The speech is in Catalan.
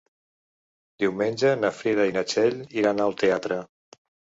Diumenge na Frida i na Txell iran al teatre.